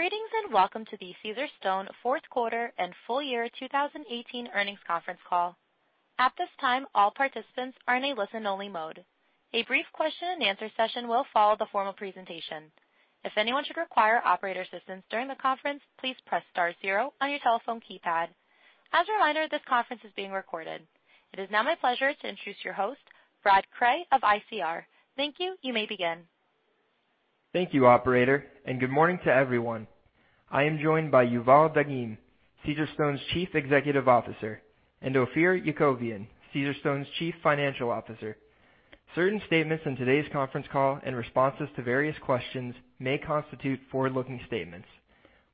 Greetings and welcome to the Caesarstone fourth quarter and full-year 2018 earnings conference call. At this time, all participants are in a listen-only mode. A brief question-and-answer session will follow the formal presentation. If anyone should require operator assistance during the conference, please press star zero on your telephone keypad. As a reminder, this conference is being recorded. It is now my pleasure to introduce your host, Brad Cray of ICR. Thank you. You may begin. Thank you, operator. Good morning to everyone. I am joined by Yuval Dagim, Caesarstone's Chief Executive Officer, and Ophir Yakovian, Caesarstone's Chief Financial Officer. Certain statements in today's conference call and responses to various questions may constitute forward-looking statements.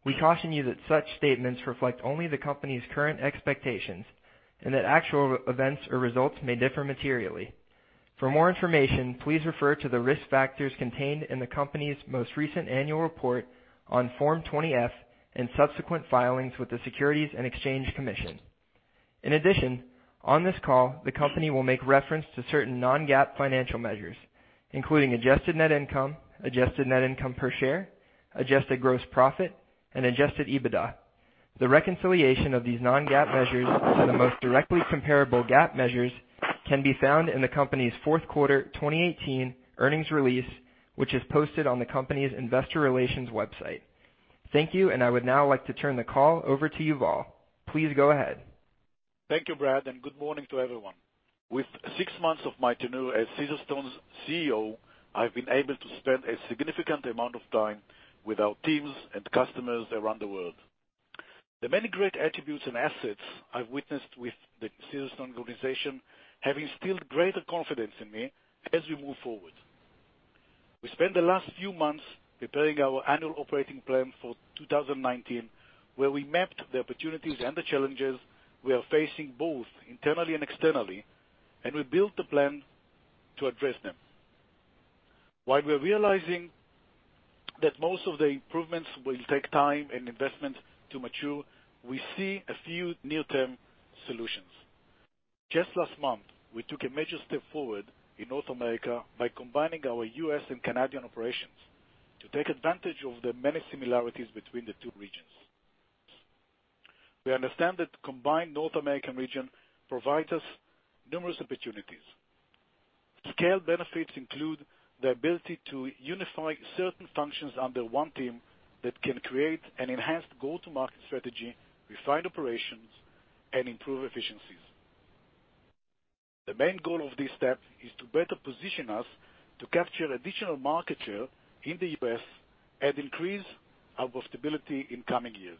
We caution you that such statements reflect only the company's current expectations, and that actual events or results may differ materially. For more information, please refer to the risk factors contained in the company's most recent annual report on Form 20-F, and subsequent filings with the Securities and Exchange Commission. In addition, on this call, the company will make reference to certain non-GAAP financial measures, including adjusted net income, adjusted net income per share, adjusted gross profit, and Adjusted EBITDA. The reconciliation of these non-GAAP measures to the most directly comparable GAAP measures can be found in the company's fourth quarter 2018 earnings release, which is posted on the company's investor relations website. Thank you. I would now like to turn the call over to Yuval. Please go ahead. Thank you, Brad. Good morning to everyone. With six months of my tenure as Caesarstone's CEO, I've been able to spend a significant amount of time with our teams and customers around the world. The many great attributes and assets I've witnessed with the Caesarstone organization have instilled greater confidence in me as we move forward. We spent the last few months preparing our annual operating plan for 2019, where we mapped the opportunities and the challenges we are facing, both internally and externally, and we built the plan to address them. While we're realizing that most of the improvements will take time and investment to mature, we see a few near-term solutions. Just last month, we took a major step forward in North America by combining our U.S. and Canadian operations to take advantage of the many similarities between the two regions. We understand that the combined North American region provides us numerous opportunities. Scale benefits include the ability to unify certain functions under one team that can create an enhanced go-to-market strategy, refine operations, and improve efficiencies. The main goal of this step is to better position us to capture additional market share in the U.S. and increase our profitability in coming years.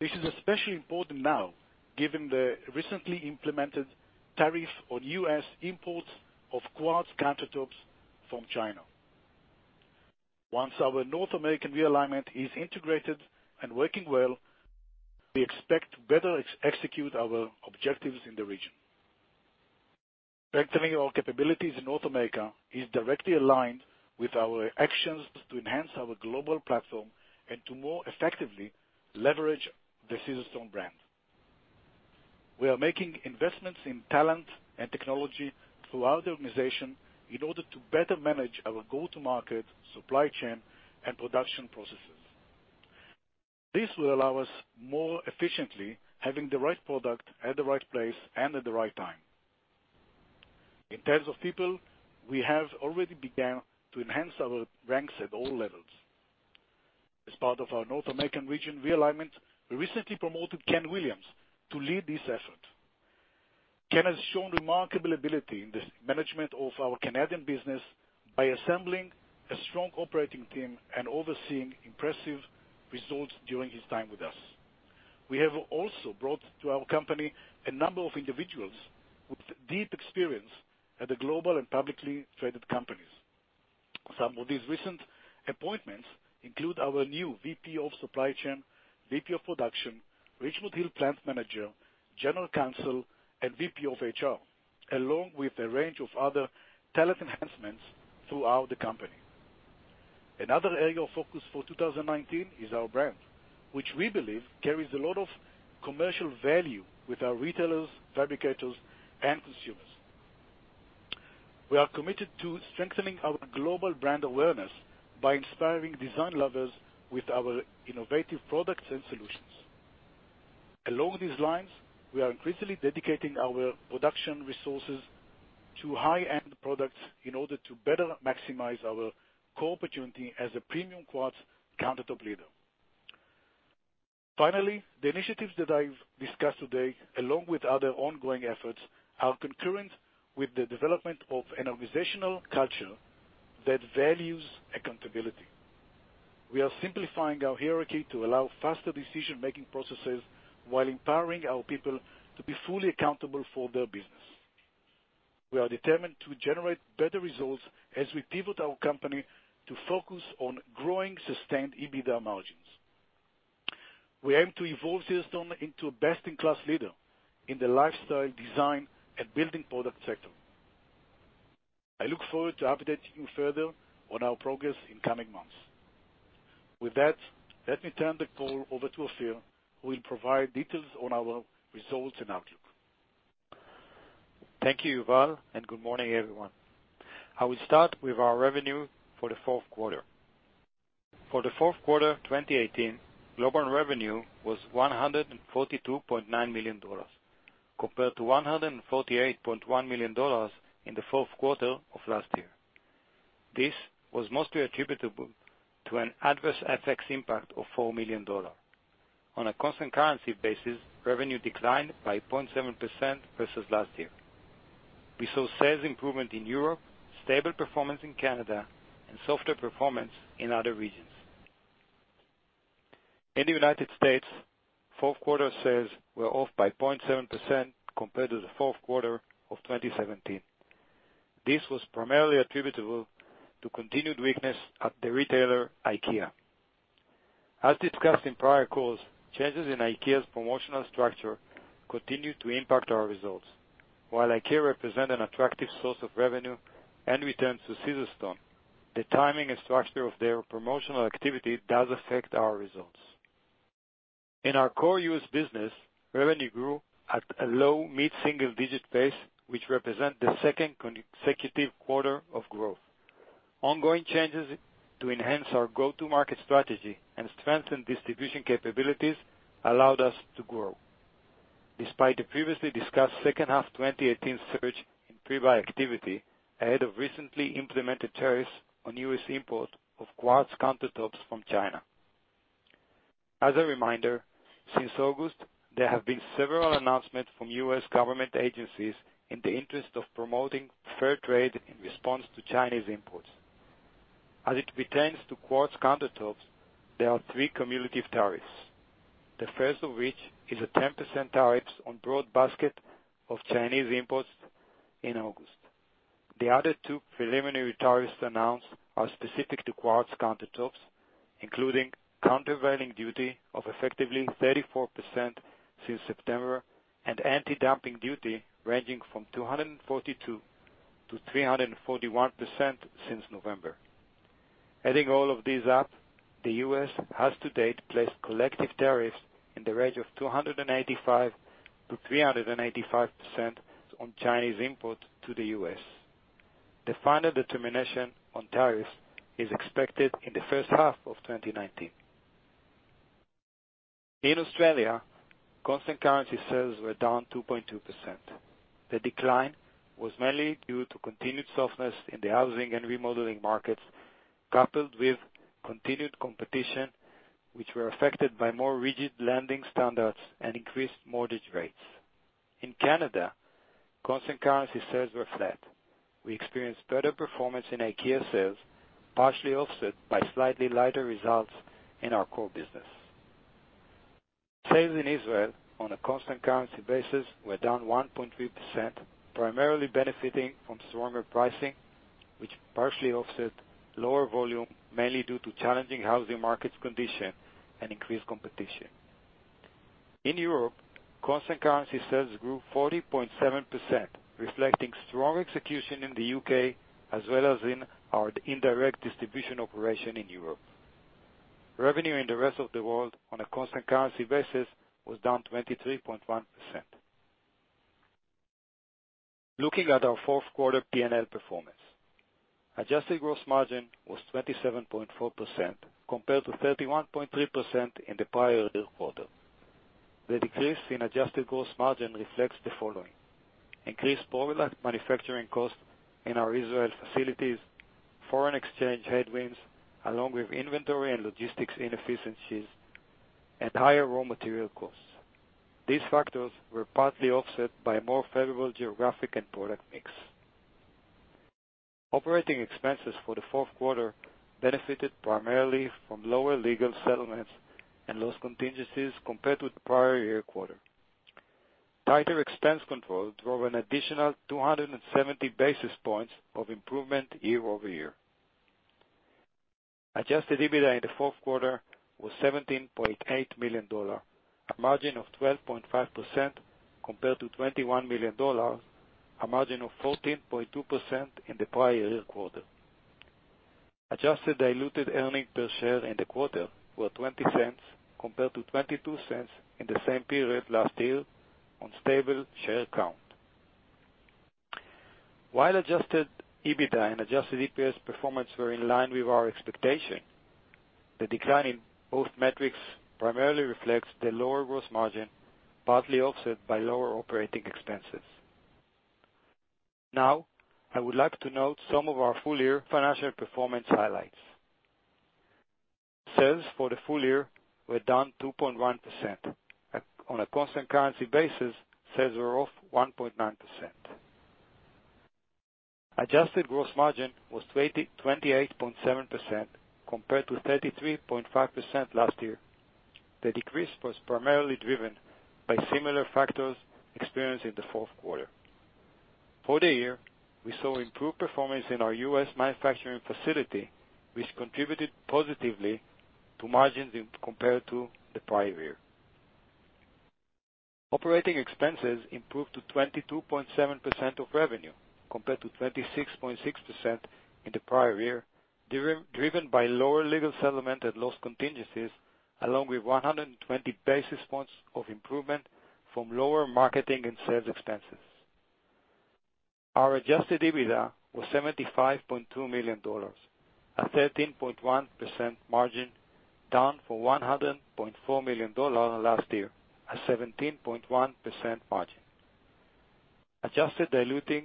This is especially important now, given the recently implemented tariff on U.S. imports of quartz countertops from China. Once our North American realignment is integrated and working well, we expect to better execute our objectives in the region. Strengthening our capabilities in North America is directly aligned with our actions to enhance our global platform and to more effectively leverage the Caesarstone brand. We are making investments in talent and technology throughout the organization in order to better manage our go-to-market supply chain and production processes. This will allow us more efficiently having the right product at the right place and at the right time. In terms of people, we have already began to enhance our ranks at all levels. As part of our North American region realignment, we recently promoted Ken Williams to lead this effort. Ken has shown remarkable ability in the management of our Canadian business by assembling a strong operating team and overseeing impressive results during his time with us. We have also brought to our company a number of individuals with deep experience at the global and publicly traded companies. Some of these recent appointments include our new VP of Supply Chain, VP of Production, Richmond Hill Plant Manager, General Counsel, and VP of HR, along with a range of other talent enhancements throughout the company. Another area of focus for 2019 is our brand, which we believe carries a lot of commercial value with our retailers, fabricators, and consumers. We are committed to strengthening our global brand awareness by inspiring design lovers with our innovative products and solutions. Along these lines, we are increasingly dedicating our production resources to high-end products in order to better maximize our core opportunity as a premium quartz countertop leader. Finally, the initiatives that I've discussed today, along with other ongoing efforts, are concurrent with the development of an organizational culture that values accountability. We are simplifying our hierarchy to allow faster decision-making processes while empowering our people to be fully accountable for their business. We are determined to generate better results as we pivot our company to focus on growing sustained EBITDA margins. We aim to evolve Caesarstone into a best-in-class leader in the lifestyle design and building product sector. I look forward to updating you further on our progress in coming months. With that, let me turn the call over to Ophir, who will provide details on our results and outlook. Thank you, Yuval, and good morning, everyone. I will start with our revenue for the fourth quarter. For the fourth quarter 2018, global revenue was $142.9 million, compared to $148.1 million in the fourth quarter of last year. This was mostly attributable to an adverse FX impact of $4 million. On a constant currency basis, revenue declined by 0.7% versus last year. We saw sales improvement in Europe, stable performance in Canada, and softer performance in other regions. In the U.S., fourth quarter sales were off by 0.7% compared to the fourth quarter of 2017. This was primarily attributable to continued weakness at the retailer, IKEA. As discussed in prior calls, changes in IKEA's promotional structure continue to impact our results. While IKEA represent an attractive source of revenue and returns to Caesarstone, the timing and structure of their promotional activity does affect our results. In our core U.S. business, revenue grew at a low mid-single digit pace, which represent the second consecutive quarter of growth. Ongoing changes to enhance our go-to-market strategy and strengthen distribution capabilities allowed us to grow. Despite the previously discussed second half 2018 surge in pre-buy activity ahead of recently implemented tariffs on U.S. imports of quartz countertops from China. As a reminder, since August, there have been several announcements from U.S. government agencies in the interest of promoting fair trade in response to Chinese imports. As it pertains to quartz countertops, there are three cumulative tariffs. The first of which is a 10% tariff on broad basket of Chinese imports in August. The other two preliminary tariffs announced are specific to quartz countertops, including countervailing duty of effectively 34% since September, and anti-dumping duty ranging from 242%-341% since November. Adding all of these up, the U.S. has to date placed collective tariffs in the range of 285%-385% on Chinese imports to the U.S. The final determination on tariffs is expected in the first half of 2019. In Australia, constant currency sales were down 2.2%. The decline was mainly due to continued softness in the housing and remodeling markets, coupled with continued competition, which were affected by more rigid lending standards and increased mortgage rates. In Canada, constant currency sales were flat. We experienced better performance in IKEA sales, partially offset by slightly lighter results in our core business. Sales in Israel on a constant currency basis were down 1.3%, primarily benefiting from stronger pricing, which partially offset lower volume, mainly due to challenging housing market conditions and increased competition. In Europe, constant currency sales grew 40.7%, reflecting strong execution in the U.K. as well as in our indirect distribution operation in Europe. Revenue in the rest of the world on a constant currency basis was down 23.1%. Looking at our fourth quarter P&L performance. Adjusted gross margin was 27.4% compared to 31.3% in the prior year quarter. The decrease in adjusted gross margin reflects the following: increased product manufacturing cost in our Israel facilities, foreign exchange headwinds, along with inventory and logistics inefficiencies, and higher raw material costs. These factors were partly offset by more favorable geographic and product mix. Operating expenses for the fourth quarter benefited primarily from lower legal settlements and loss contingencies compared with the prior year quarter. Tighter expense control drove an additional 270 basis points of improvement year-over-year. Adjusted EBITDA in the fourth quarter was $17.8 million, a margin of 12.5% compared to $21 million, a margin of 14.2% in the prior year quarter. Adjusted diluted earnings per share in the quarter were $0.20 compared to $0.22 in the same period last year on a stable share count. While Adjusted EBITDA and Adjusted EPS performance were in line with our expectations, the decline in both metrics primarily reflects the lower gross margin, partly offset by lower operating expenses. I would like to note some of our full-year financial performance highlights. Sales for the full-year were down 2.1%. On a constant currency basis, sales were off 1.9%. Adjusted gross margin was 28.7% compared to 33.5% last year. The decrease was primarily driven by similar factors experienced in the fourth quarter. For the year, we saw improved performance in our U.S. manufacturing facility, which contributed positively to margins compared to the prior year. Operating expenses improved to 22.7% of revenue, compared to 26.6% in the prior year, driven by lower legal settlement and loss contingencies along with 120 basis points of improvement from lower marketing and sales expenses. Our Adjusted EBITDA was $75.2 million, a 13.1% margin, down from $100.4 million last year, a 17.1% margin. Adjusted diluted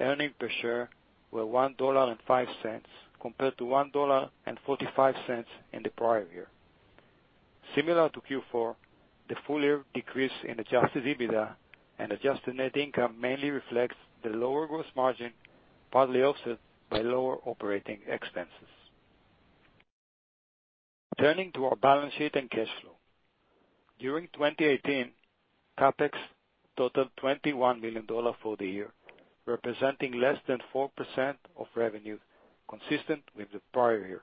earnings per share were $1.05 compared to $1.45 in the prior year. Similar to Q4, the full-year decrease in full-year Adjusted EBITDA and adjusted net income mainly reflects the lower gross margin, partly offset by lower operating expenses. Turning to our balance sheet and cash flow. During 2018, CapEx totaled $21 million for the year, representing less than 4% of revenue, consistent with the prior year.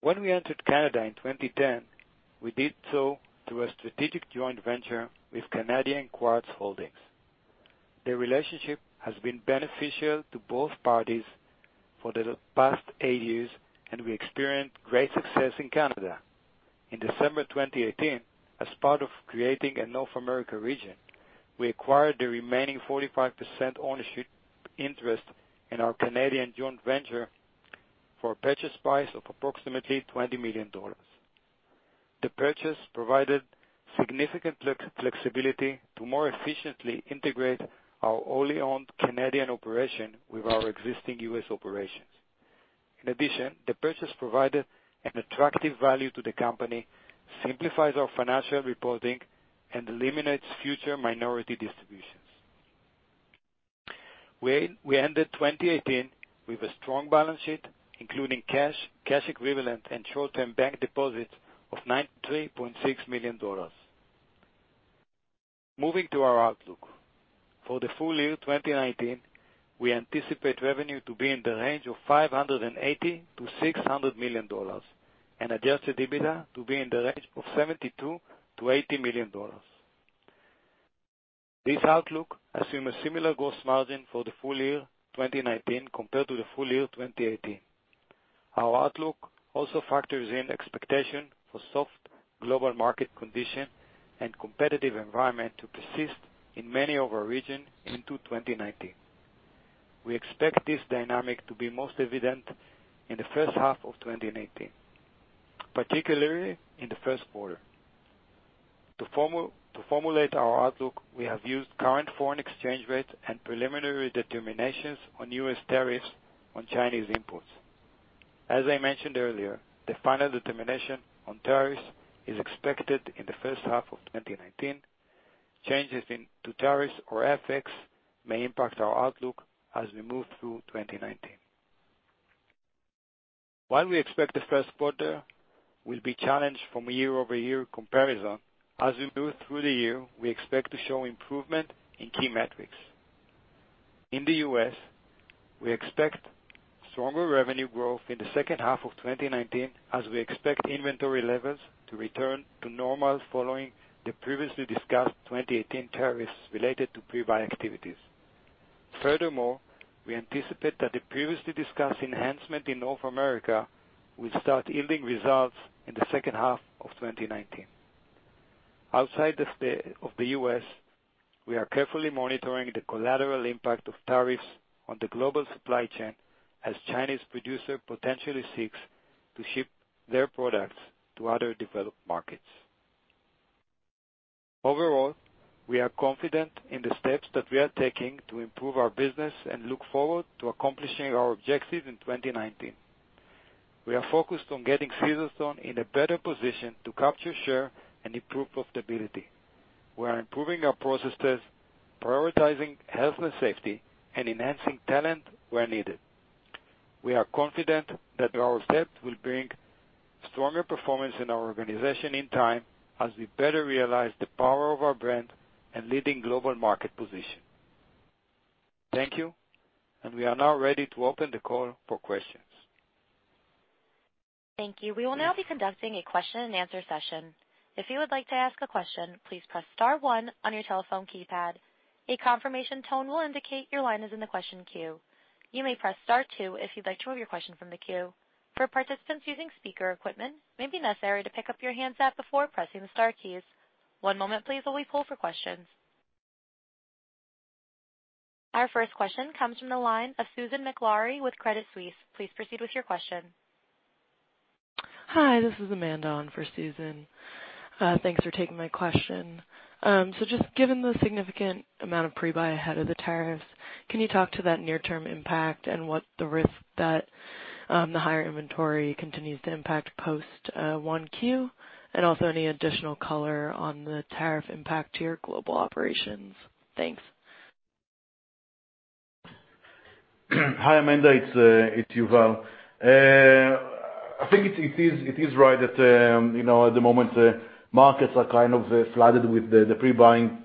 When we entered Canada in 2010, we did so through a strategic joint venture with Canadian Quartz Holdings. The relationship has been beneficial to both parties for the past eight years, and we experienced great success in Canada. In December 2018, as part of creating a North America region, we acquired the remaining 45% ownership interest in our Canadian joint venture for a purchase price of approximately $20 million. The purchase provided significant flexibility to more efficiently integrate our wholly owned Canadian operation with our existing U.S. operations. In addition, the purchase provided an attractive value to the company, simplifies our financial reporting, and eliminates future minority distributions. We ended 2018 with a strong balance sheet, including cash equivalent and short-term bank deposits of $93.6 million. Moving to our outlook. For the full-year 2019, we anticipate revenue to be in the range of $580 million-$600 million, and Adjusted EBITDA to be in the range of $72 million-$80 million. This outlook assumes a similar gross margin for the full year 2019 compared to the full year 2018. Our outlook also factors in expectations for soft global market condition and competitive environment to persist in many of our regions into 2019. We expect this dynamic to be most evident in the first half of 2019, particularly in the first quarter. To formulate our outlook, we have used current foreign exchange rates and preliminary determinations on U.S. tariffs on Chinese imports. As I mentioned earlier, the final determination on tariffs is expected in the first half of 2019. Changes to tariffs or FX may impact our outlook as we move through 2019. While we expect the first quarter will be challenged from a year-over-year comparison, as we move through the year, we expect to show improvement in key metrics. In the U.S., we expect stronger revenue growth in the second half of 2019, as we expect inventory levels to return to normal following the previously discussed 2018 tariffs related to pre-buy activities. Furthermore, we anticipate that the previously discussed enhancement in North America will start yielding results in the second half of 2019. Outside of the U.S., we are carefully monitoring the collateral impact of tariffs on the global supply chain as Chinese producer potentially seeks to ship their products to other developed markets. Overall, we are confident in the steps that we are taking to improve our business and look forward to accomplishing our objectives in 2019. We are focused on getting Caesarstone in a better position to capture share and improve profitability. We are improving our processes, prioritizing health and safety, and enhancing talent where needed. We are confident that our steps will bring stronger performance in our organization in time as we better realize the power of our brand and leading global market position. Thank you, and we are now ready to open the call for questions. Thank you. We will now be conducting a question-and-answer session. If you would like to ask a question, please press star one on your telephone keypad. A confirmation tone will indicate your line is in the question queue. You may press star two if you'd like to remove your question from the queue. For participants using speaker equipment, it may be necessary to pick up your handset before pressing the star keys. One moment please, while we pull for questions. Our first question comes from the line of Susan Maklari with Credit Suisse. Please proceed with your question. Hi, this is Amanda on for Susan. Thanks for taking my question. Just given the significant amount of pre-buy ahead of the tariffs, can you talk to that near-term impact and what the risk that the higher inventory continues to impact post 1Q, and also any additional color on the tariff impact to your global operations? Thanks. Hi, Amanda, it's Yuval. I think it is right that at the moment, markets are kind of flooded with the pre-buying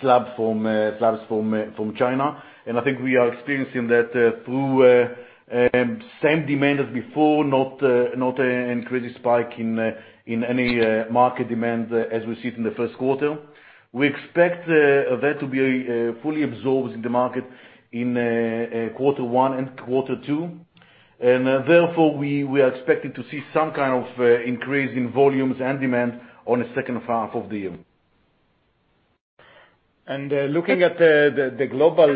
slabs from China. I think we are experiencing that through same demand as before, not an increased spike in any market demand as we see it in the first quarter. We expect that to be fully absorbed in the market in quarter one and quarter two. Therefore, we are expecting to see some kind of increase in volumes and demand on the second half of the year. Looking at the global,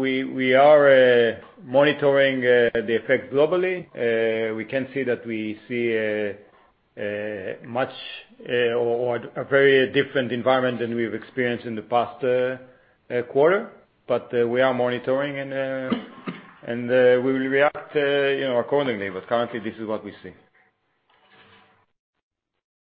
we are monitoring the effect globally. We can see that we see a very different environment than we've experienced in the past quarter. We are monitoring, and we will react accordingly. Currently, this is what we see.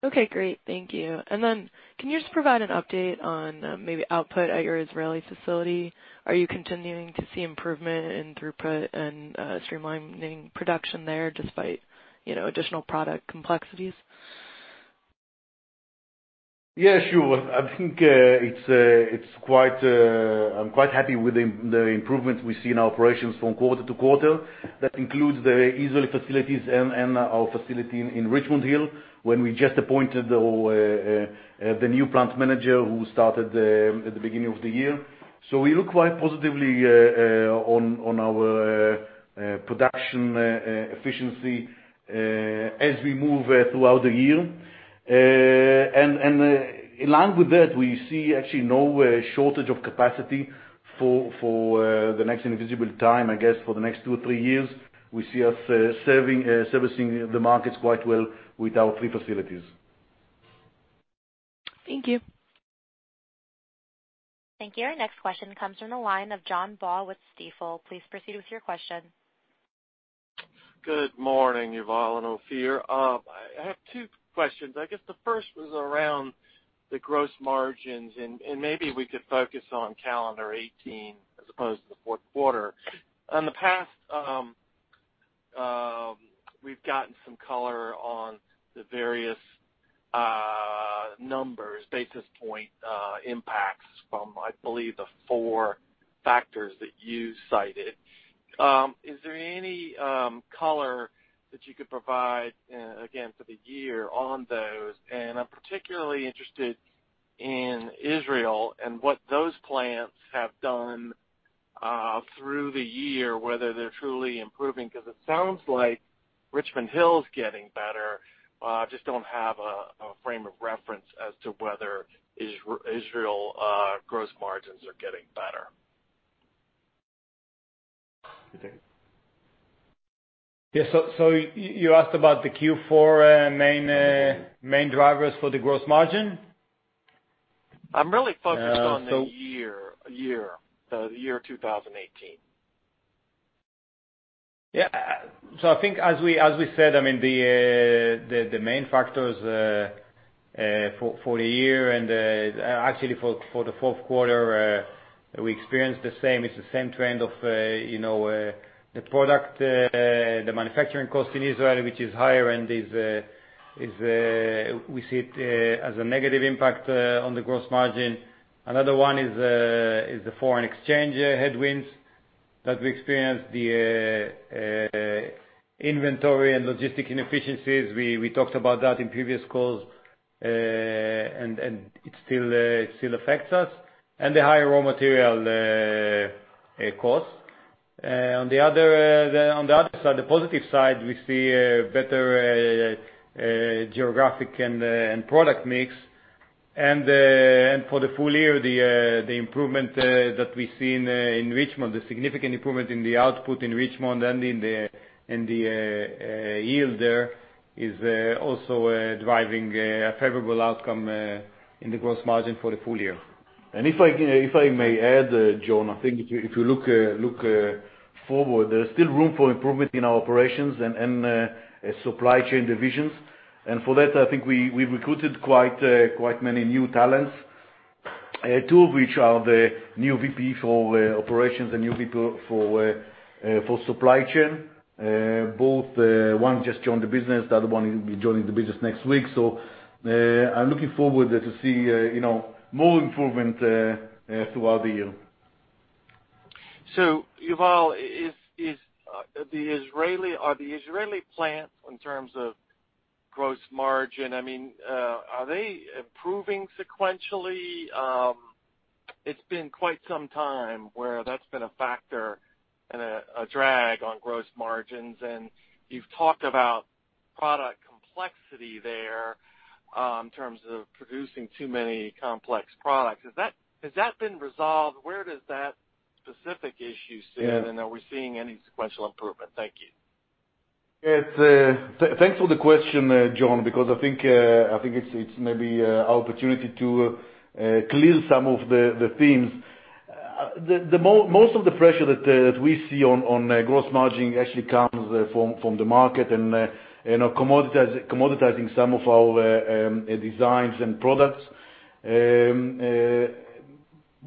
Okay, great. Thank you. Can you just provide an update on maybe output at your Israeli facility? Are you continuing to see improvement in throughput and streamlining production there despite additional product complexities? Yeah, sure. I'm quite happy with the improvements we see in our operations from quarter to quarter. That includes the Israel facilities and our facility in Richmond Hill, where we just appointed the new plant manager, who started at the beginning of the year. We look quite positively on our production efficiency, as we move throughout the year. Along with that, we see actually no shortage of capacity for the next invisible time, I guess, for the next two or three years. We see us servicing the markets quite well with our three facilities. Thank you. Thank you. Our next question comes from the line of John Baugh with Stifel. Please proceed with your question. Good morning, Yuval and Ophir. I have two questions. I guess the first was around the gross margins, and maybe we could focus on calendar 2018 as opposed to the fourth quarter. In the past, we've gotten some color on the various numbers, basis point impacts from, I believe, the four factors that you cited. Is there any color that you could provide, again, for the year on those? I'm particularly interested in Israel and what those plants have done, through the year, whether they're truly improving, because it sounds like Richmond Hill's getting better. Just don't have a frame of reference as to whether Israel's gross margins are getting better. Yes. You asked about the Q4 main drivers for the gross margin? I'm really focused on the year 2018. Yeah. I think as we said, the main factors for the year and actually for the fourth quarter, we experienced the same. It's the same trend of the product, the manufacturing cost in Israel, which is higher and we see it as a negative impact on the gross margin. Another one is the foreign exchange headwinds that we experienced, the inventory and logistic inefficiencies. We talked about that in previous calls, and it still affects us. The higher raw material costs. On the other side, the positive side, we see a better geographic and product mix. For the full-year, the improvement that we see in Richmond, the significant improvement in the output in Richmond, and in the yield there is also driving a favorable outcome in the gross margin for the full-year. If I may add, John, I think if you look forward, there's still room for improvement in our operations and supply chain divisions. For that, I think we recruited quite many new talents, two of which are the new VP for operations and new people for supply chain. One just joined the business; the other one will be joining the business next week. I'm looking forward to see more improvement throughout the year. Yuval, are the Israeli plants in terms of gross margin, are they improving sequentially? It's been quite some time where that's been a factor and a drag on gross margins, and you've talked about product complexity there, in terms of producing too many complex products. Has that been resolved? Where does that specific issue sit, and are we seeing any sequential improvement? Thank you. Thanks for the question, John, because I think it's maybe our opportunity to clear some of the themes. Most of the pressure that we see on gross margin actually comes from the market and commoditizing some of our designs and products. Actually,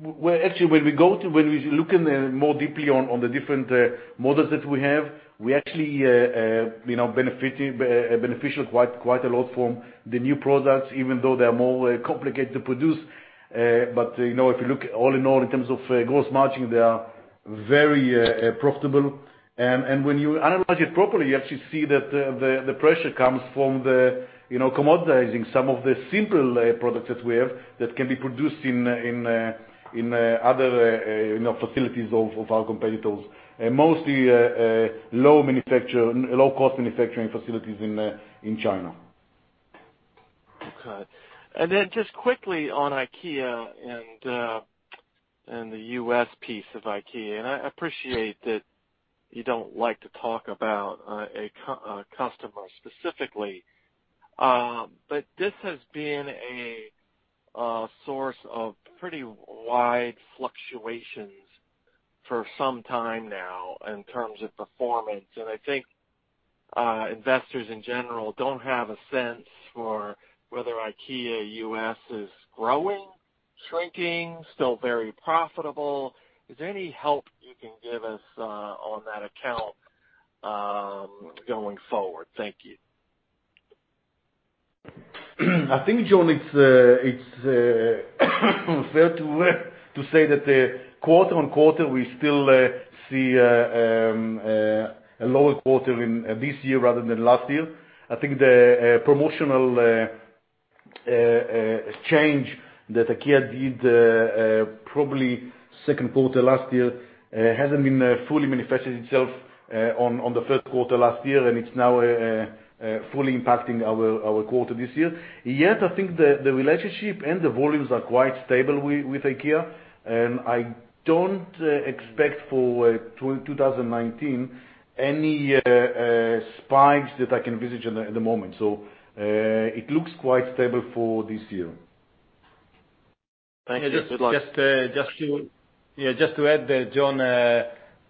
when we look more deeply on the different models that we have, we actually benefited quite a lot from the new products, even though they are more complicated to produce. If you look at all in all terms of gross margin, they are very profitable. When you analyze it properly, you actually see that the pressure comes from commoditizing some of the simpler products that we have that can be produced in other facilities of our competitors, mostly low-cost manufacturing facilities in China. Okay. Then just quickly on IKEA and the U.S. piece of IKEA. I appreciate that you don't like to talk about a customer specifically. This has been a source of pretty wide fluctuations for some time now in terms of performance. I think investors in general don't have a sense for whether IKEA U.S. is growing, shrinking, still very profitable. Is there any help you can give us on that account going forward? Thank you. I think, John, it's fair to say that quarter-on-quarter, we still see a lower quarter in this year rather than last year. I think the promotional change that IKEA did, probably second quarter last year, hasn't been fully manifested itself on the first quarter last year; it's now fully impacting our quarter this year. I think the relationship and the volumes are quite stable with IKEA, I don't expect for 2019 any spikes that I can envisage at the moment. It looks quite stable for this year. Thank you. Good luck. Just to add there, John,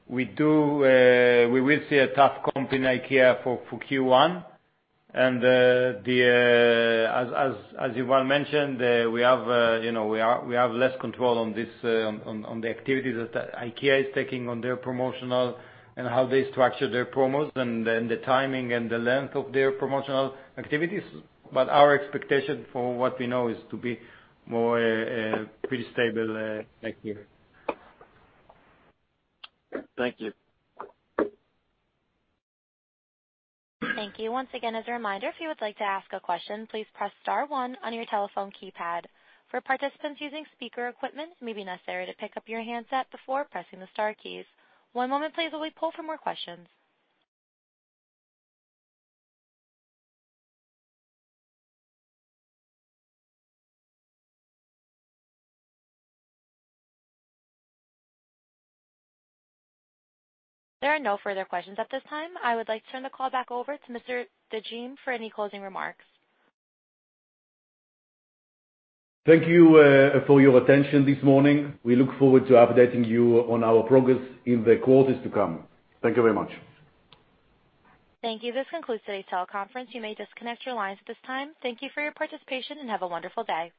we will see a tough comp in IKEA for Q1. As Yuval mentioned, we have less control on the activities that IKEA is taking on their promotional and how they structure their promos, and the timing and the length of their promotional activities. Our expectation for what we know is to be more pretty stable next year. Thank you. Thank you. Once again, as a reminder, if you would like to ask a question, please press star one on your telephone keypad. For participants using speaker equipment, it may be necessary to pick up your handset before pressing the star keys. One moment, please while we poll for more questions. There are no further questions at this time. I would like to turn the call back over to Mr. Dagim for any closing remarks. Thank you for your attention this morning. We look forward to updating you on our progress in the quarters to come. Thank you very much. Thank you. This concludes today's teleconference. You may disconnect your lines at this time. Thank you for your participation and have a wonderful day.